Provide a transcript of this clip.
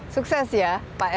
sukses ya pak elvin